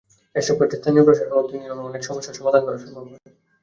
এসব ক্ষেত্রে স্থানীয় প্রশাসন উদ্যোগ নিলে অনেক সমস্যার সমাধান করা সম্ভব হয়।